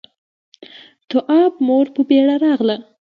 تواب مور په بيړه راغله.